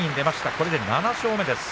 これで７勝目です。